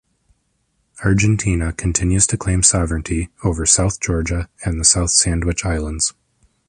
Argentina continues to claim sovereignty over South Georgia and the South Sandwich Islands.